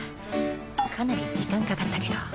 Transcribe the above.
かなり時間かかったけど。